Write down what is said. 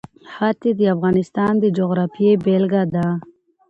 ښتې د افغانستان د جغرافیې بېلګه ده.